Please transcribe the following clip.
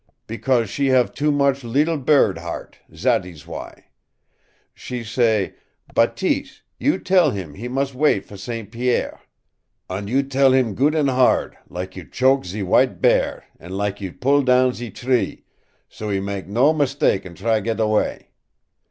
"Becaus' she have too much leetle bird heart, zat ees w'y. She say: 'Bateese, you tell heem he mus' wait for St. Pierre. An' you tell heem good an' hard, lak you choke ze w'ite bear an' lak you pull down ze tree, so he mak' no meestake an' try get away.'